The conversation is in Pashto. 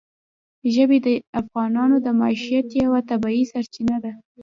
ژبې د افغانانو د معیشت یوه طبیعي سرچینه ده.